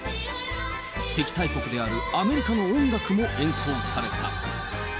敵対国であるアメリカの音楽も演奏された。